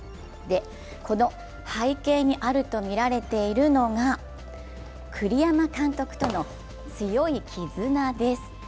この背景にあるとみられているのが栗山監督との強い絆です。